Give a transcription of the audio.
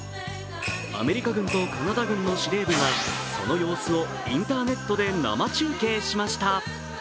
アメリカ軍とカナダ軍の司令部が、その様子をインターネットで生中継しました。